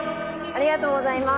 ありがとうございます。